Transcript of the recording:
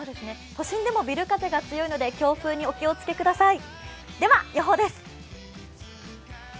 都心でもビル風が強いので強風にお気をつけください。